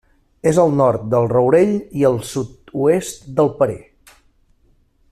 És al nord del Rourell i al sud-oest del Perer.